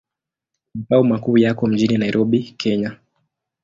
Makao makuu yako mjini Nairobi, Kenya.